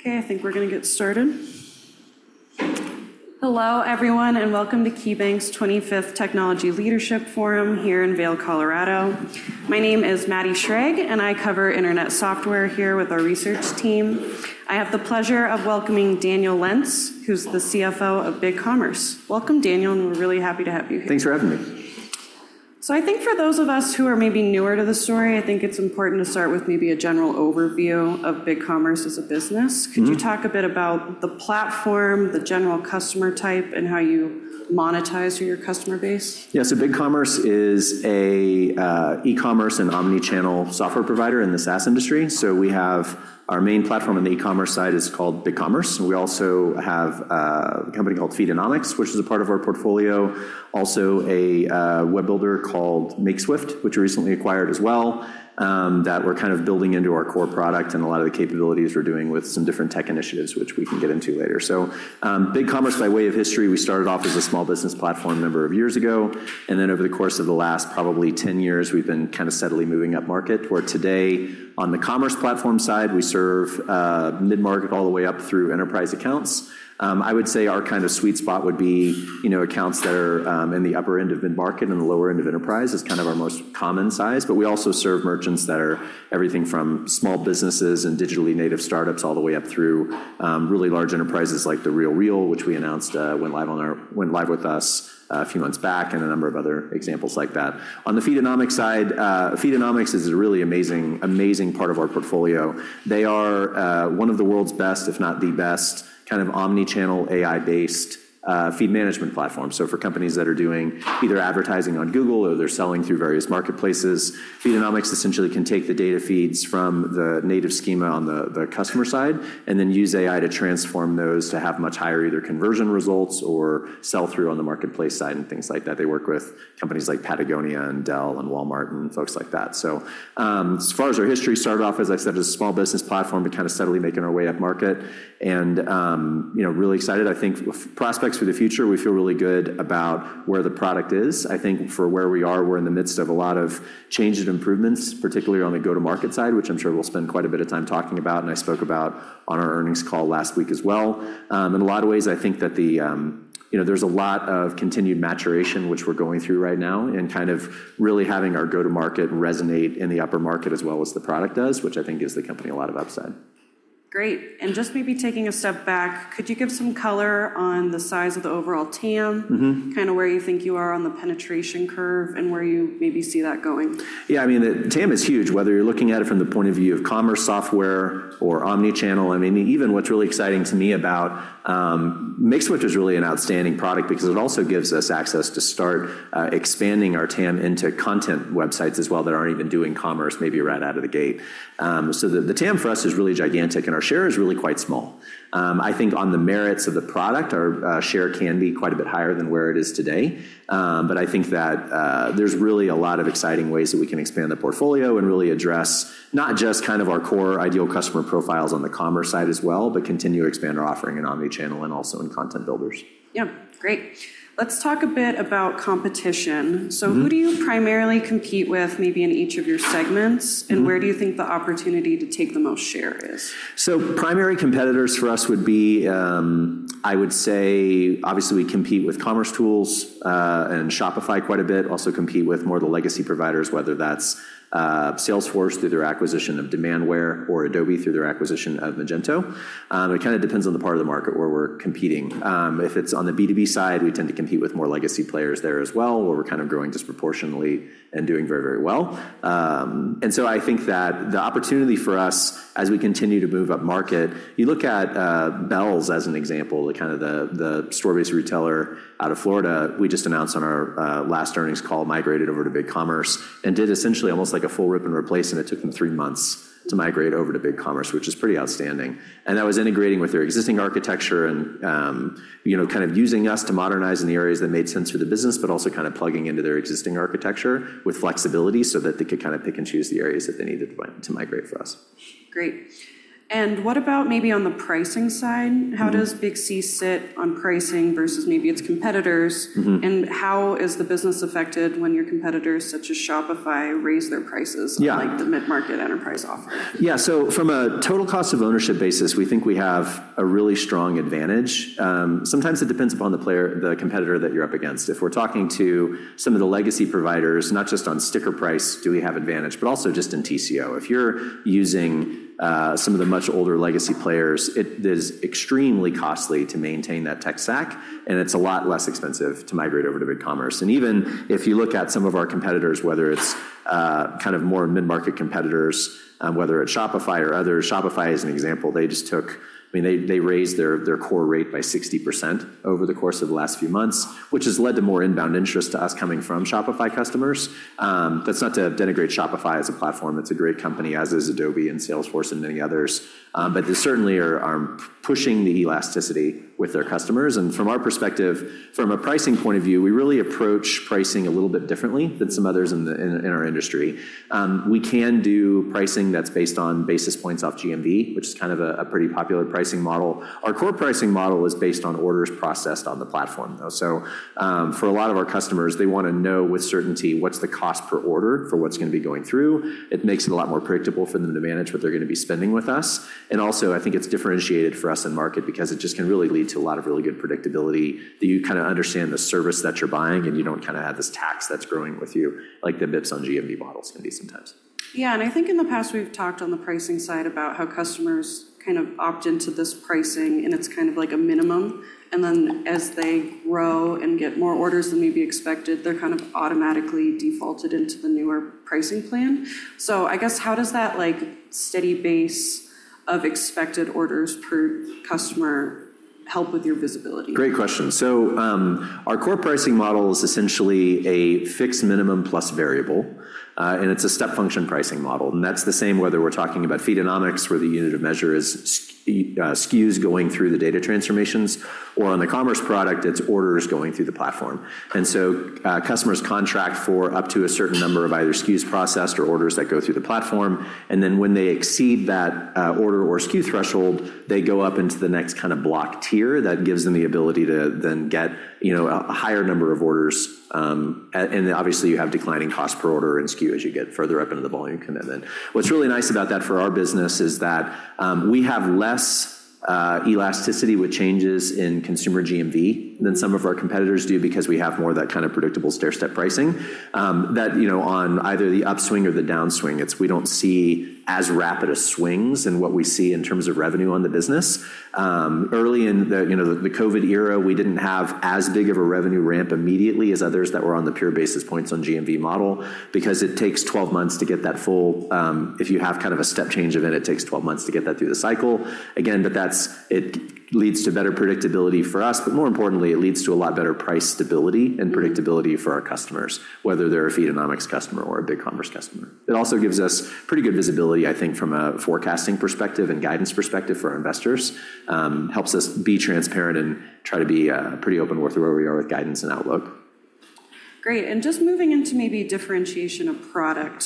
Okay, I think we're gonna get started. Hello, everyone, and welcome to KeyBanc's 25th Technology Leadership Forum here in Vail, Colorado. My name is Maddie Schrage, and I cover internet software here with our research team. I have the pleasure of welcoming Daniel Lentz, who's the CFO of BigCommerce. Welcome, Daniel, and we're really happy to have you here. Thanks for having me. I think for those of us who are maybe newer to the story, I think it's important to start with maybe a general overview of BigCommerce as a business. Mm-hmm. Could you talk a bit about the platform, the general customer type, and how you monetize your customer base? Yeah. So BigCommerce is a e-commerce and omni-channel software provider in the SaaS industry. So we have our main platform on the e-commerce side is called BigCommerce, and we also have a company called Feedonomics, which is a part of our portfolio. Also, a web builder called Makeswift, which we recently acquired as well, that we're kind of building into our core product and a lot of the capabilities we're doing with some different tech initiatives, which we can get into later. So, BigCommerce, by way of history, we started off as a small business platform a number of years ago, and then over the course of the last probably 10 years, we've been kind of steadily moving up market, where today, on the commerce platform side, we serve mid-market all the way up through enterprise accounts. I would say our kind of sweet spot would be, you know, accounts that are in the upper end of mid-market and the lower end of enterprise is kind of our most common size. But we also serve merchants that are everything from small businesses and digitally native startups, all the way up through really large enterprises like The RealReal, which we announced went live on our-- went live with us a few months back, and a number of other examples like that. On the Feedonomics side, Feedonomics is a really amazing, amazing part of our portfolio. They are one of the world's best, if not the best, kind of omni-channel, AI-based feed management platform. So for companies that are doing either advertising on Google or they're selling through various marketplaces, Feedonomics essentially can take the data feeds from the native schema on the customer side and then use AI to transform those to have much higher either conversion results or sell-through on the marketplace side and things like that. They work with companies like Patagonia and Dell and Walmart and folks like that. So, as far as our history, started off, as I said, as a small business platform, but kind of steadily making our way up market and, you know, really excited. I think prospects for the future, we feel really good about where the product is. I think for where we are, we're in the midst of a lot of changes and improvements, particularly on the go-to-market side, which I'm sure we'll spend quite a bit of time talking about, and I spoke about on our earnings call last week as well. In a lot of ways, I think that the, you know, there's a lot of continued maturation, which we're going through right now, and kind of really having our go-to-market resonate in the upper market as well as the product does, which I think gives the company a lot of upside. Great. Just maybe taking a step back, could you give some color on the size of the overall TAM? Mm-hmm. Kind of where you think you are on the penetration curve and where you maybe see that going? Yeah, I mean, the TAM is huge, whether you're looking at it from the point of view of commerce, software, or omni-channel. I mean, even what's really exciting to me about Makeswift is really an outstanding product because it also gives us access to start expanding our TAM into content websites as well, that aren't even doing commerce, maybe right out of the gate. So the TAM for us is really gigantic, and our share is really quite small. I think on the merits of the product, our share can be quite a bit higher than where it is today. But I think that, there's really a lot of exciting ways that we can expand the portfolio and really address not just kind of our core ideal customer profiles on the commerce side as well, but continue to expand our offering in omni-channel and also in content builders. Yeah. Great. Let's talk a bit about competition. Mm-hmm. Who do you primarily compete with, maybe in each of your segments? Mm-hmm. Where do you think the opportunity to take the most share is? So primary competitors for us would be, I would say, obviously, we compete with Commercetools, and Shopify quite a bit, also compete with more of the legacy providers, whether that's, Salesforce through their acquisition of Demandware or Adobe through their acquisition of Magento. It kind of depends on the part of the market where we're competing. If it's on the B2B side, we tend to compete with more legacy players there as well, where we're kind of growing disproportionately and doing very, very well. I think that the opportunity for us as we continue to move up market. You look at Bealls as an example, the store-based retailer out of Florida. We just announced on our last earnings call, migrated over to BigCommerce and did essentially almost like a full rip and replace, and it took them three months to migrate over to BigCommerce, which is pretty outstanding. And that was integrating with their existing architecture and, you know, kind of using us to modernize in the areas that made sense for the business, but also kind of plugging into their existing architecture with flexibility so that they could kind of pick and choose the areas that they needed to migrate for us. Great. What about maybe on the pricing side? Mm-hmm. How does Big C sit on pricing versus maybe its competitors? Mm-hmm. How is the business affected when your competitors, such as Shopify, raise their prices? Yeah on, like, the mid-market enterprise offering? Yeah. So from a total cost of ownership basis, we think we have a really strong advantage. Sometimes it depends upon the player, the competitor that you're up against. If we're talking to some of the legacy providers, not just on sticker price, do we have advantage, but also just in TCO. If you're using some of the much older legacy players, it is extremely costly to maintain that tech stack, and it's a lot less expensive to migrate over to BigCommerce. And even if you look at some of our competitors, whether it's kind of more mid-market competitors, whether it's Shopify or others, Shopify as an example, they just took... I mean, they, they raised their, their core rate by 60% over the course of the last few months, which has led to more inbound interest to us coming from Shopify customers. That's not to denigrate Shopify as a platform. It's a great company, as is Adobe and Salesforce and many others. But they certainly are pushing the elasticity with their customers. And from our perspective, from a pricing point of view, we really approach pricing a little bit differently than some others in our industry. We can do pricing that's based on basis points off GMV, which is kind of a pretty popular pricing model. Our core pricing model is based on orders processed on the platform, though. So, for a lot of our customers, they wanna know with certainty what's the cost per order for what's gonna be going through. It makes it a lot more predictable for them to manage what they're gonna be spending with us. And also, I think it's differentiated for us in market because it just can really lead to a lot of really good predictability, that you kind of understand the service that you're buying, and you don't kind of have this tax that's growing with you, like the bps on GMV models can be sometimes.... Yeah, and I think in the past, we've talked on the pricing side about how customers kind of opt into this pricing, and it's kind of like a minimum, and then as they grow and get more orders than maybe expected, they're kind of automatically defaulted into the newer pricing plan. So I guess, how does that, like, steady base of expected orders per customer help with your visibility? Great question. So, our core pricing model is essentially a fixed minimum plus variable, and it's a step function pricing model, and that's the same whether we're talking about Feedonomics, where the unit of measure is SKUs going through the data transformations, or on the commerce product, it's orders going through the platform. And so, customers contract for up to a certain number of either SKUs processed or orders that go through the platform, and then when they exceed that, order or SKU threshold, they go up into the next kind of block tier that gives them the ability to then get, you know, a higher number of orders. And obviously, you have declining cost per order and SKU as you get further up into the volume commitment. What's really nice about that for our business is that, we have less elasticity with changes in consumer GMV than some of our competitors do because we have more of that kind of predictable stairstep pricing. That, you know, on either the upswing or the downswing, it's - we don't see as rapid a swings in what we see in terms of revenue on the business. Early in the, you know, the, the COVID era, we didn't have as big of a revenue ramp immediately as others that were on the pure basis points on GMV model because it takes 12 months to get that full, if you have kind of a step change event, it takes 12 months to get that through the cycle. Again, but it leads to better predictability for us, but more importantly, it leads to a lot better price stability. Mm-hmm. and predictability for our customers, whether they're a Feedonomics customer or a BigCommerce customer. It also gives us pretty good visibility, I think, from a forecasting perspective and guidance perspective for our investors, helps us be transparent and try to be pretty open with where we are with guidance and outlook. Great, and just moving into maybe differentiation of product.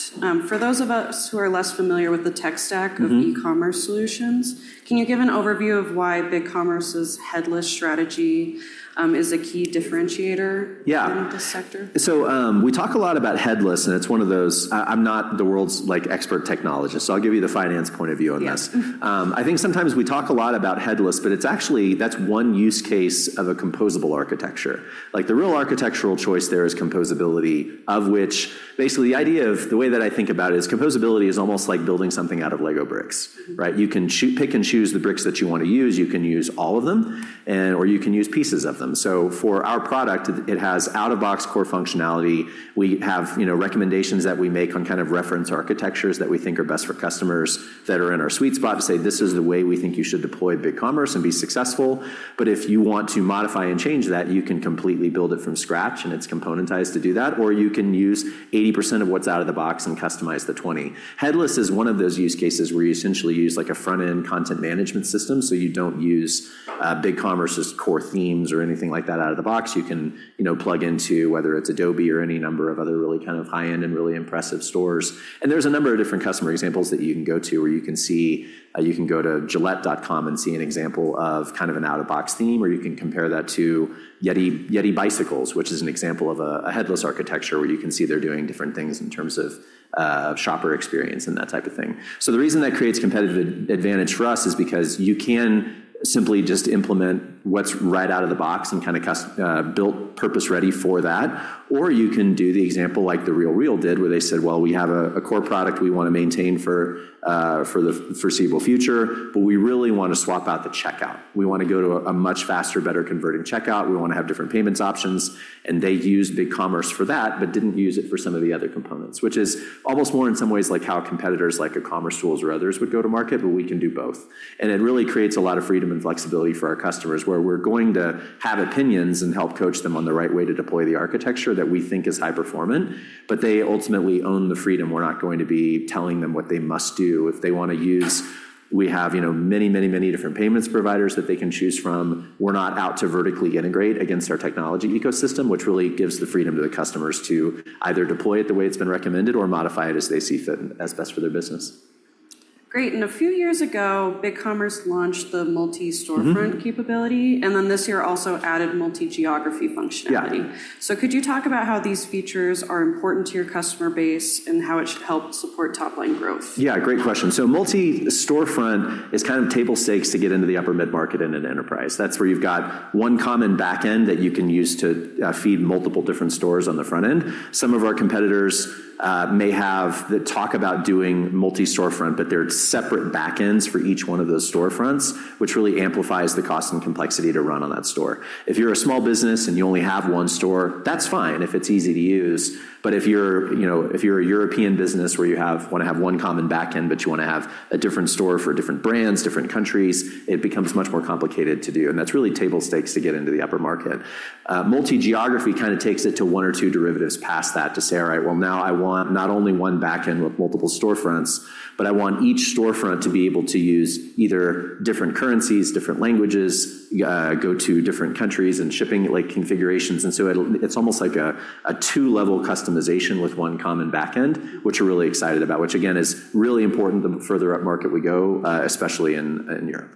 For those of us who are less familiar with the tech stack- Mm-hmm. -of e-commerce solutions, can you give an overview of why BigCommerce's headless strategy is a key differentiator? Yeah. in this sector? So, we talk a lot about headless, and it's one of those... I'm not the world's, like, expert technologist, so I'll give you the finance point of view on this. Yeah. I think sometimes we talk a lot about headless, but it's actually, that's one use case of a composable architecture. Like, the real architectural choice there is composability, of which, basically, the idea of, the way that I think about it is composability is almost like building something out of Lego bricks, right? You can pick and choose the bricks that you want to use. You can use all of them, and or you can use pieces of them. So for our product, it has out-of-the-box core functionality. We have, you know, recommendations that we make on kind of reference architectures that we think are best for customers that are in our sweet spot to say, "This is the way we think you should deploy BigCommerce and be successful." But if you want to modify and change that, you can completely build it from scratch, and it's componentized to do that, or you can use 80% of what's out of the box and customize the 20. Headless is one of those use cases where you essentially use, like, a front-end content management system, so you don't use BigCommerce's core themes or anything like that out of the box. You can, you know, plug into whether it's Adobe or any number of other really kind of high-end and really impressive stores. There's a number of different customer examples that you can go to, where you can see, you can go to Gillette.com and see an example of kind of an out-of-box theme, or you can compare that to Yeti Cycles, which is an example of a headless architecture, where you can see they're doing different things in terms of shopper experience and that type of thing. So the reason that creates competitive advantage for us is because you can simply just implement what's right out of the box and kind of custom-built purpose-ready for that. Or you can do the example like The RealReal did, where they said, "Well, we have a core product we want to maintain for the foreseeable future, but we really want to swap out the checkout. We want to go to a much faster, better converting checkout. We want to have different payment options." They used BigCommerce for that, but didn't use it for some of the other components, which is almost more in some ways like how competitors like Commercetools or others would go to market, but we can do both. It really creates a lot of freedom and flexibility for our customers, where we're going to have opinions and help coach them on the right way to deploy the architecture that we think is high performing, but they ultimately own the freedom. We're not going to be telling them what they must do. If they want to use, we have, you know, many, many, many different payment providers that they can choose from. We're not out to vertically integrate against our technology ecosystem, which really gives the freedom to the customers to either deploy it the way it's been recommended or modify it as they see fit and as best for their business. Great, and a few years ago, BigCommerce launched the multi-storefront. Mm-hmm -capability, and then this year also added multi-geography functionality. Yeah. Could you talk about how these features are important to your customer base and how it should help support top-line growth? Yeah, great question. So multi-storefront is kind of table stakes to get into the upper mid-market and into enterprise. That's where you've got one common back end that you can use to feed multiple different stores on the front end. Some of our competitors may have the talk about doing multi-storefront, but there are separate back ends for each one of those storefronts, which really amplifies the cost and complexity to run on that store. If you're a small business and you only have one store, that's fine if it's easy to use. But if you're, you know, if you're a European business where you want to have one common back end, but you want to have a different store for different brands, different countries, it becomes much more complicated to do, and that's really table stakes to get into the upper market. Multi-geography kind of takes it to one or two derivatives past that to say, "All right, well, now I want not only one back end with multiple storefronts, but I want each storefront to be able to use either different currencies, different languages, go to different countries, and shipping, like, configurations." And so it's almost like a two-level customization with one common back end. Mm-hmm... which we're really excited about, which again is really important the further upmarket we go, especially in Europe.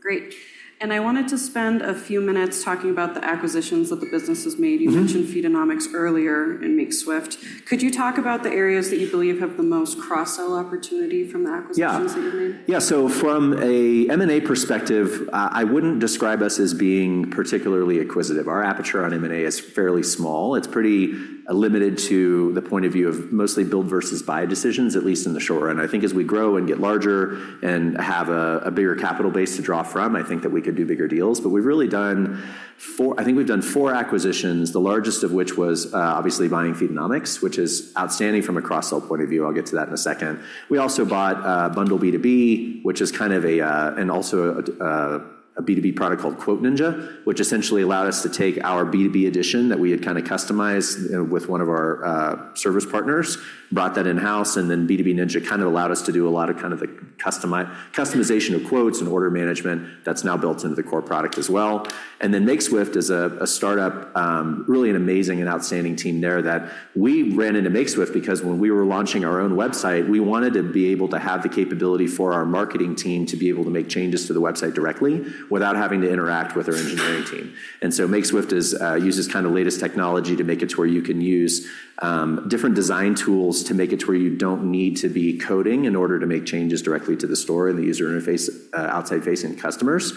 Great. And I wanted to spend a few minutes talking about the acquisitions that the business has made. Mm-hmm. You mentioned Feedonomics earlier and Makeswift. Could you talk about the areas that you believe have the most cross-sell opportunity from the acquisitions that you've made? Yeah. So from a M&A perspective, I wouldn't describe us as being particularly acquisitive. Our aperture on M&A is fairly small. It's pretty limited to the point of view of mostly build versus buy decisions, at least in the short run. I think as we grow and get larger and have a, a bigger capital base to draw from, I think that we could do bigger deals. But we've really done four—I think we've done four acquisitions, the largest of which was, obviously buying Feedonomics, which is outstanding from a cross-sell point of view. I'll get to that in a second. We also bought BundleB2B, which is kind of a and also a B2B product called Quote Ninja, which essentially allowed us to take our B2B Edition that we had kind of customized with one of our service partners, brought that in-house, and then B2B Ninja kind of allowed us to do a lot of kind of like customization of quotes and order management that's now built into the core product as well. And then Makeswift is a startup, really an amazing and outstanding team there that we ran into Makeswift because when we were launching our own website, we wanted to be able to have the capability for our marketing team to be able to make changes to the website directly without having to interact with our engineering team. And so Makeswift is uses kind of latest technology to make it to where you can use different design tools to make it to where you don't need to be coding in order to make changes directly to the store and the user interface outside-facing customers.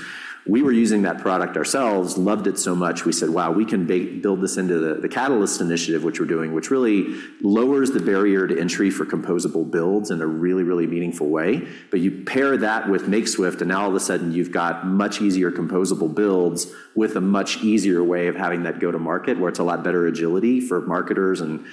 We were using that product ourselves, loved it so much, we said, "Wow, we can build this into the Catalyst initiative," which we're doing, which really lowers the barrier to entry for composable builds in a really, really meaningful way. But you pair that with Makeswift, and now all of a sudden, you've got much easier composable builds with a much easier way of having that go to market, where it's a lot better agility for marketers and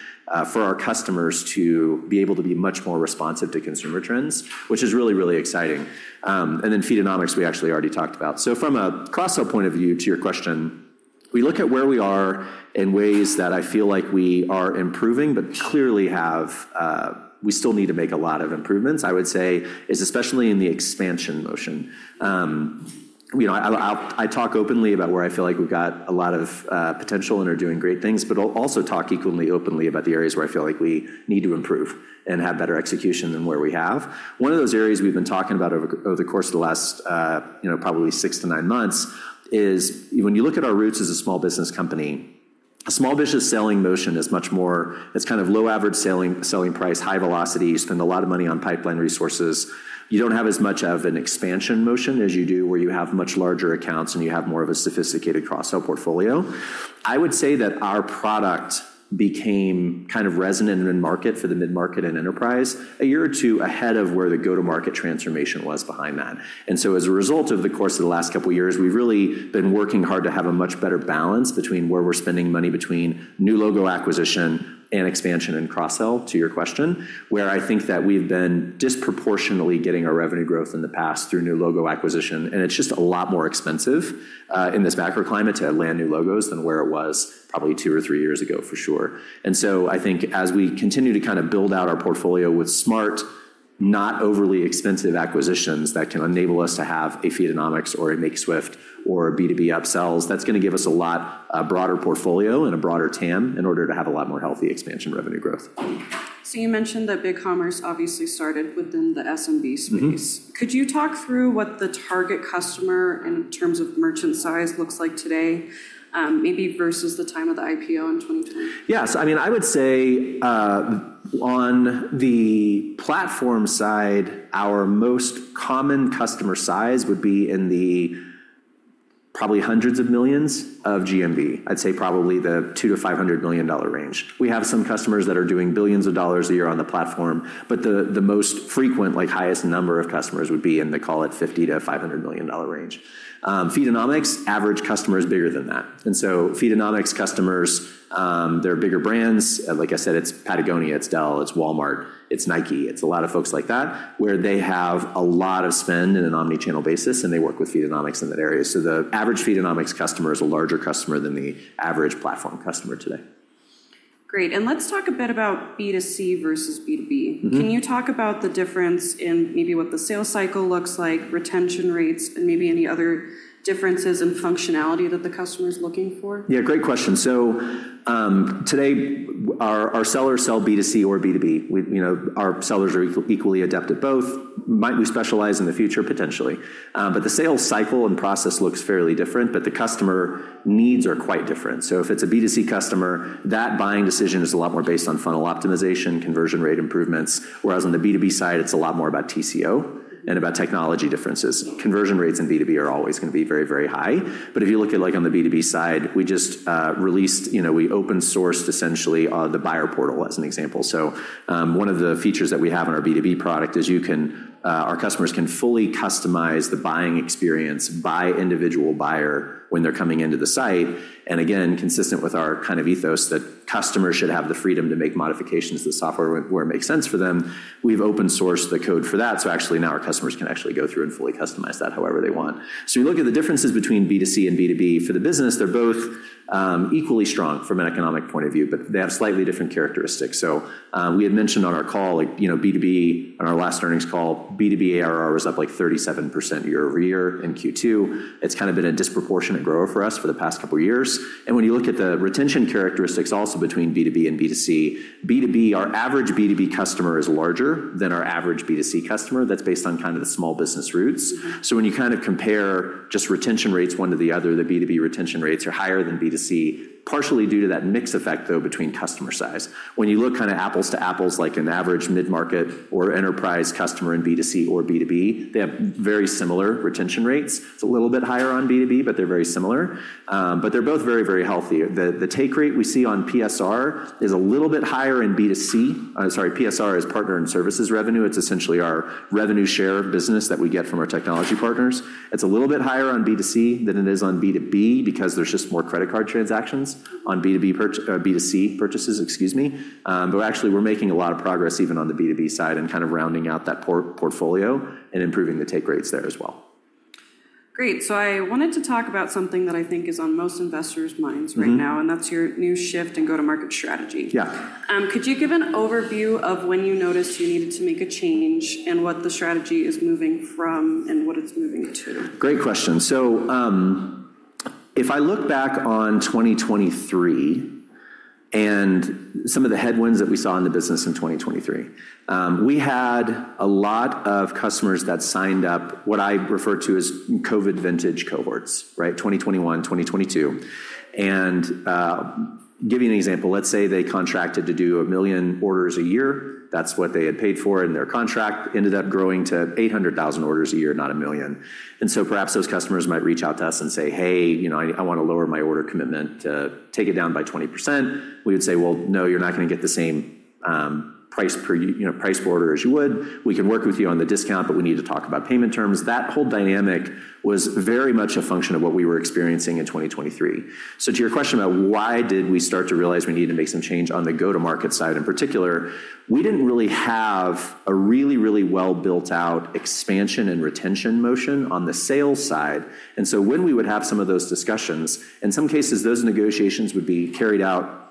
for our customers to be able to be much more responsive to consumer trends, which is really, really exciting. And then Feedonomics, we actually already talked about. So from a cross-sell point of view, to your question, we look at where we are in ways that I feel like we are improving, but clearly have, we still need to make a lot of improvements, I would say, is especially in the expansion motion. You know, I'll talk openly about where I feel like we've got a lot of potential and are doing great things, but I'll also talk equally openly about the areas where I feel like we need to improve and have better execution than where we have. One of those areas we've been talking about over the course of the last, you know, probably six to nine months, is when you look at our roots as a small business company, a small business selling motion is much more... It's kind of low average selling price, high velocity. You spend a lot of money on pipeline resources. You don't have as much of an expansion motion as you do where you have much larger accounts, and you have more of a sophisticated cross-sell portfolio. I would say that our product became kind of resonant in the market for the mid-market and enterprise, a year or two ahead of where the go-to-market transformation was behind that. As a result of the course of the last couple of years, we've really been working hard to have a much better balance between where we're spending money between new logo acquisition and expansion and cross-sell, to your question, where I think that we've been disproportionately getting our revenue growth in the past through new logo acquisition, and it's just a lot more expensive, in this macroclimate, to land new logos than where it was probably 2 or 3 years ago, for sure. As we continue to kind of build out our portfolio with smart, not overly expensive acquisitions that can enable us to have a Feedonomics or a Makeswift or B2B upsells, that's gonna give us a lot, a broader portfolio and a broader TAM in order to have a lot more healthy expansion revenue growth. You mentioned that BigCommerce obviously started within the SMB space. Mm-hmm. Could you talk through what the target customer in terms of merchant size looks like today, maybe versus the time of the IPO in 2010? Yeah, so I mean, I would say, on the platform side, our most common customer size would be in the probably hundreds of millions of GMV. I'd say probably the $200 million-$500 million range. We have some customers that are doing billions of dollars a year on the platform, but the most frequent, like, highest number of customers, would be in the, call it $50 million-$500 million range. Feedonomics average customer is bigger than that. And so Feedonomics customers, they're bigger brands. Like I said, it's Patagonia, it's Dell, it's Walmart, it's Nike. It's a lot of folks like that, where they have a lot of spend in an omni-channel basis, and they work with Feedonomics in that area. So the average Feedonomics customer is a larger customer than the average platform customer today. Great, and let's talk a bit about B2C versus B2B. Mm-hmm. Can you talk about the difference in maybe what the sales cycle looks like, retention rates, and maybe any other differences in functionality that the customer is looking for? Yeah, great question. So, today, our sellers sell B2C or B2B. We, you know, our sellers are equally adept at both. Might we specialize in the future? Potentially. But the sales cycle and process looks fairly different, but the customer needs are quite different. So if it's a B2C customer, that buying decision is a lot more based on funnel optimization, conversion rate improvements, whereas on the B2B side, it's a lot more about TCO and about technology differences. Conversion rates in B2B are always going to be very, very high, but if you look at, like, on the B2B side, we just released, you know, we open-sourced, essentially, the buyer portal as an example. So, one of the features that we have on our B2B product is our customers can fully customize the buying experience by individual buyer when they're coming into the site, and again, consistent with our kind of ethos, that customers should have the freedom to make modifications to the software where it makes sense for them. We've open-sourced the code for that, so actually now our customers can actually go through and fully customize that however they want. So you look at the differences between B2C and B2B for the business, they're both equally strong from an economic point of view, but they have slightly different characteristics. So, we had mentioned on our call, like, you know, B2B, on our last earnings call, B2B ARR was up, like, 37% year-over-year in Q2. It's kind of been a disproportionate grower for us for the past couple of years. And when you look at the retention characteristics also between B2B and B2C, B2B, our average B2B customer is larger than our average B2C customer. That's based on kind of the small business routes. Mm-hmm. So when you kind of compare just retention rates, one to the other, the B2B retention rates are higher than B2C, partially due to that mix effect, though, between customer size. When you look kind of apples to apples, like an average mid-market or enterprise customer in B2C or B2B, they have very similar retention rates. It's a little bit higher on B2B, but they're very similar. But they're both very, very healthy. The, the take rate we see on PSR is a little bit higher in B2C. Sorry, PSR is partner and services revenue. It's essentially our revenue share business that we get from our technology partners. It's a little bit higher on B2C than it is on B2B because there's just more credit card transactions on B2B purch-- or B2C purchases, excuse me. But actually, we're making a lot of progress even on the B2B side and kind of rounding out that portfolio and improving the take rates there as well.... Great! So I wanted to talk about something that I think is on most investors' minds right now- Mm-hmm. That's your new shift and go-to-market strategy. Yeah. Could you give an overview of when you noticed you needed to make a change, and what the strategy is moving from and what it's moving to? Great question. So, if I look back on 2023 and some of the headwinds that we saw in the business in 2023, we had a lot of customers that signed up, what I refer to as COVID vintage cohorts, right? 2021, 2022. And, give you an example. Let's say they contracted to do 1 million orders a year. That's what they had paid for in their contract, ended up growing to 800,000 orders a year, not a million. And so perhaps those customers might reach out to us and say, "Hey, you know, I, I wanna lower my order commitment to take it down by 20%." We would say, "Well, no, you're not gonna get the same, price per you know, price per order as you would. We can work with you on the discount, but we need to talk about payment terms." That whole dynamic was very much a function of what we were experiencing in 2023. So to your question about why did we start to realize we needed to make some change on the go-to-market side, in particular, we didn't really have a really, really well-built-out expansion and retention motion on the sales side. And so when we would have some of those discussions, in some cases, those negotiations would be carried out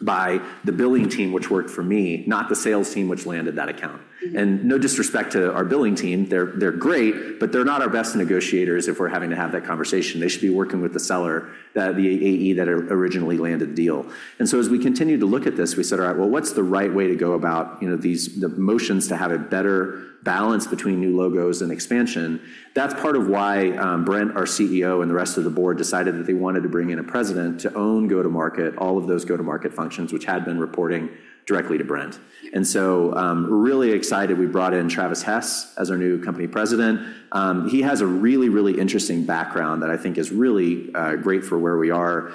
by the billing team, which worked for me, not the sales team, which landed that account. Mm-hmm. And no disrespect to our billing team, they're great, but they're not our best negotiators if we're having to have that conversation. They should be working with the seller, that the AE that originally landed the deal. And so as we continued to look at this, we said, "All right, well, what's the right way to go about, you know, these, the motions to have a better balance between new logos and expansion?" That's part of why, Brent, our CEO, and the rest of the board decided that they wanted to bring in a president to own go-to-market, all of those go-to-market functions, which had been reporting directly to Brent. And so, we're really excited we brought in Travis Hess as our new company president. He has a really, really interesting background that I think is really great for where we are.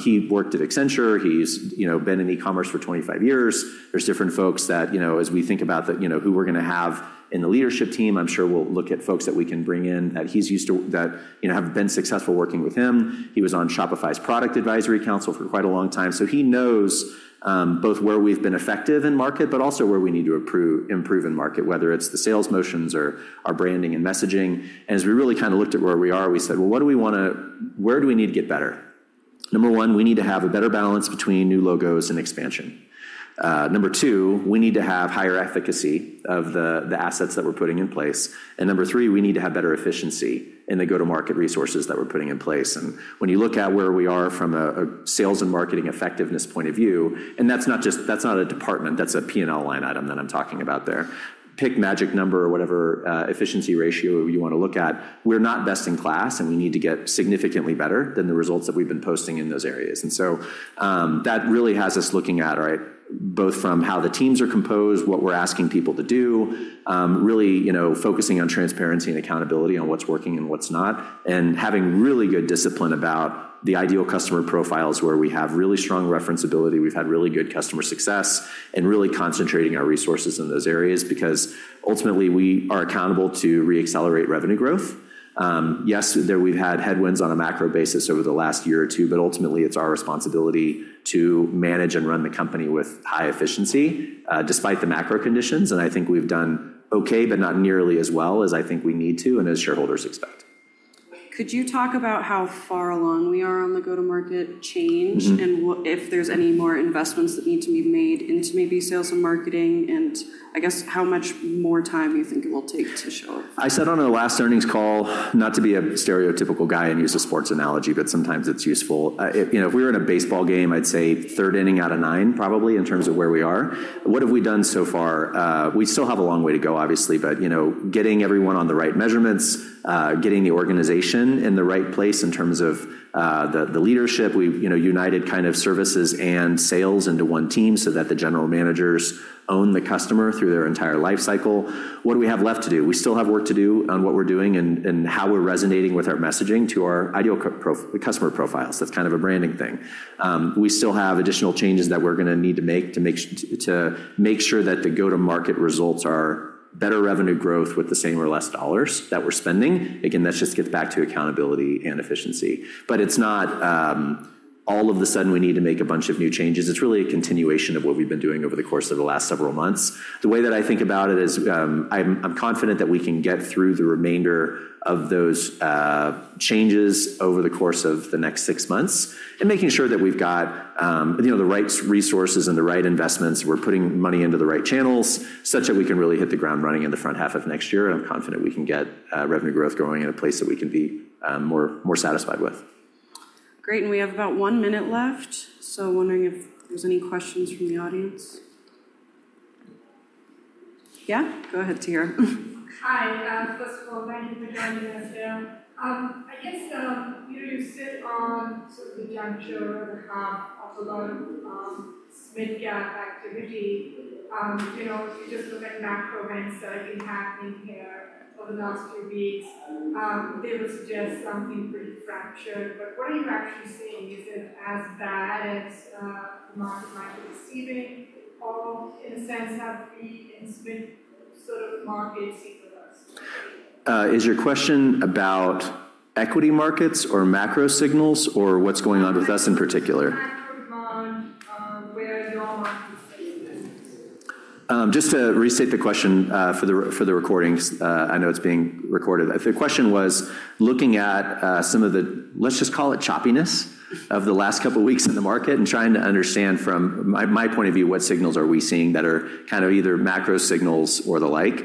He worked at Accenture. He's, you know, been in e-commerce for 25 years. There's different folks that, you know, as we think about the, you know, who we're gonna have in the leadership team, I'm sure we'll look at folks that we can bring in, that he's used to, that, you know, have been successful working with him. He was on Shopify's Product Advisory Council for quite a long time, so he knows both where we've been effective in market but also where we need to improve in market, whether it's the sales motions or our branding and messaging. And as we really kind of looked at where we are, we said, "Well, what do we wanna... Where do we need to get better?" Number one, we need to have a better balance between new logos and expansion. Number 2, we need to have higher efficacy of the assets that we're putting in place. And number 3, we need to have better efficiency in the go-to-market resources that we're putting in place. And when you look at where we are from a sales and marketing effectiveness point of view, and that's not just, that's not a department, that's a P&L line item that I'm talking about there. Pick magic number or whatever efficiency ratio you wanna look at. We're not best in class, and we need to get significantly better than the results that we've been posting in those areas. That really has us looking at, all right, both from how the teams are composed, what we're asking people to do, really, you know, focusing on transparency and accountability on what's working and what's not, and having really good discipline about the ideal customer profiles, where we have really strong reference ability. We've had really good customer success and really concentrating our resources in those areas because ultimately, we are accountable to re-accelerate revenue growth. Yes, there we've had headwinds on a macro basis over the last year or two, but ultimately, it's our responsibility to manage and run the company with high efficiency, despite the macro conditions, and I think we've done okay, but not nearly as well as I think we need to and as shareholders expect. Could you talk about how far along we are on the go-to-market change? Mm-hmm. What, if there's any more investments that need to be made into maybe sales and marketing, and I guess, how much more time you think it will take to show up? I said on the last earnings call, not to be a stereotypical guy and use a sports analogy, but sometimes it's useful. If, you know, if we were in a baseball game, I'd say third inning out of nine, probably, in terms of where we are. What have we done so far? We still have a long way to go, obviously, but, you know, getting everyone on the right measurements, getting the organization in the right place in terms of the leadership. We've, you know, united kind of services and sales into one team so that the general managers own the customer through their entire life cycle. What do we have left to do? We still have work to do on what we're doing and how we're resonating with our messaging to our ideal customer profiles. That's kind of a branding thing. We still have additional changes that we're gonna need to make, to make sure that the go-to-market results are better revenue growth with the same or less dollars that we're spending. Again, that just gets back to accountability and efficiency. But it's not all of a sudden we need to make a bunch of new changes. It's really a continuation of what we've been doing over the course of the last several months. The way that I think about it is, I'm confident that we can get through the remainder of those changes over the course of the next six months, and making sure that we've got, you know, the right resources and the right investments. We're putting money into the right channels such that we can really hit the ground running in the front half of next year, and I'm confident we can get revenue growth going in a place that we can be more satisfied with. Great, and we have about one minute left, so wondering if there's any questions from the audience. Yeah, go ahead, Tara. Hi, first of all, thank you for joining us here. I guess, you know, you sit on sort of the juncture and half of a lot of mid-cap activity. You know, if you just look at macro events that have been happening here over the last few weeks, they would suggest something pretty fractured. But what are you actually seeing? Is it as bad as the market might be perceiving, or in a sense, have the instant sort of market seem the best? Is your question about equity markets or macro signals, or what's going on with us in particular? Just to restate the question for the recordings, I know it's being recorded. The question was looking at some of the, let's just call it choppiness of the last couple of weeks in the market, and trying to understand from my point of view, what signals are we seeing that are kind of either macro signals or the like.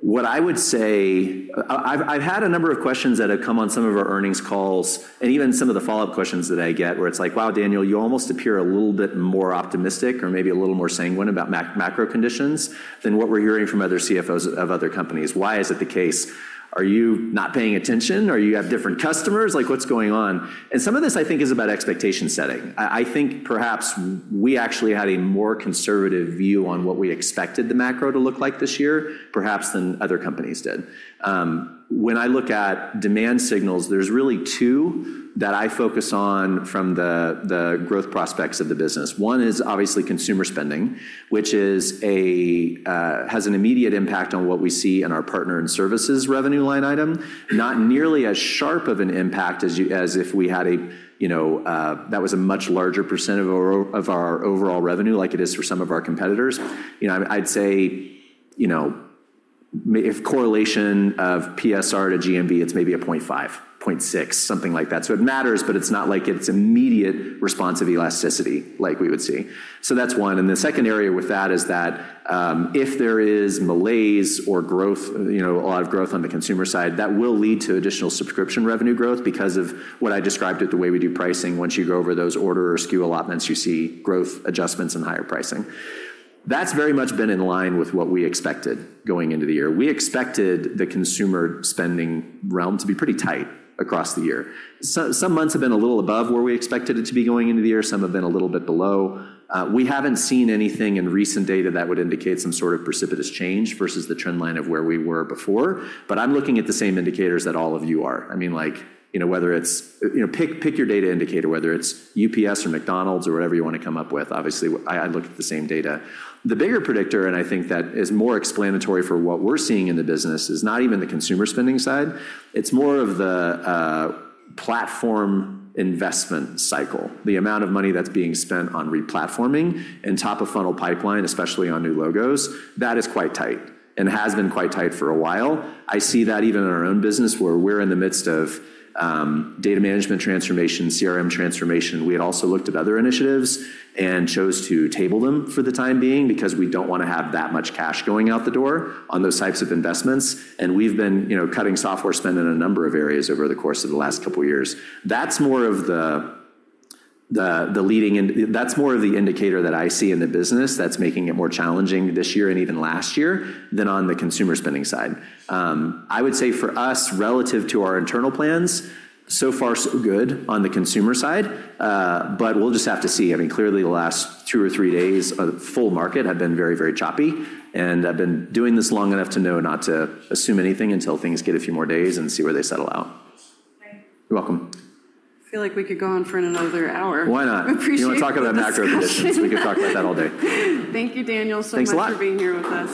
What I would say, I've had a number of questions that have come on some of our earnings calls, and even some of the follow-up questions that I get, where it's like, "Wow, Daniel, you almost appear a little bit more optimistic or maybe a little more sanguine about macro conditions than what we're hearing from other CFOs of other companies. Why is it the case? Are you not paying attention, or you have different customers? Like, what's going on?" And some of this, I think, is about expectation setting. I think perhaps we actually had a more conservative view on what we expected the macro to look like this year, perhaps than other companies did. When I look at demand signals, there's really two that I focus on from the growth prospects of the business. One is obviously consumer spending, which has an immediate impact on what we see in our partner and services revenue line item. Not nearly as sharp of an impact as if we had a, you know, that was a much larger percent of our overall revenue like it is for some of our competitors. You know, I'd say, you know, if correlation of PSR to GMV, it's maybe a 0.5, 0.6, something like that. So it matters, but it's not like it's immediate response of elasticity like we would see. So that's one, and the second area with that is that, if there is malaise or growth, you know, a lot of growth on the consumer side, that will lead to additional subscription revenue growth because of what I described it, the way we do pricing. Once you go over those order or SKU allotments, you see growth adjustments and higher pricing. That's very much been in line with what we expected going into the year. We expected the consumer spending realm to be pretty tight across the year. So some months have been a little above where we expected it to be going into the year, some have been a little bit below. We haven't seen anything in recent data that would indicate some sort of precipitous change versus the trend line of where we were before, but I'm looking at the same indicators that all of you are. I mean, like, you know, whether it's... You know, pick your data indicator, whether it's UPS or McDonald's or whatever you want to come up with. Obviously, I look at the same data. The bigger predictor, and I think that is more explanatory for what we're seeing in the business, is not even the consumer spending side, it's more of the platform investment cycle. The amount of money that's being spent on replatforming and top-of-funnel pipeline, especially on new logos, that is quite tight and has been quite tight for a while. I see that even in our own business, where we're in the midst of data management transformation, CRM transformation. We had also looked at other initiatives and chose to table them for the time being because we don't want to have that much cash going out the door on those types of investments, and we've been, you know, cutting software spend in a number of areas over the course of the last couple of years. That's more of the indicator that I see in the business that's making it more challenging this year and even last year than on the consumer spending side. I would say for us, relative to our internal plans, so far, so good on the consumer side, but we'll just have to see. I mean, clearly, the last two or three days of full market have been very, very choppy, and I've been doing this long enough to know not to assume anything until things get a few more days and see where they settle out. Thank you. You're welcome. I feel like we could go on for another hour. Why not? I appreciate the discussion. You want to talk about macro conditions, we can talk about that all day. Thank you, Daniel, so much... Thanks a lot. for being here with us.